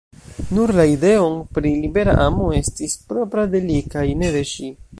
Nur la ideon pri libera amo estis propra de li kaj ne de ŝi.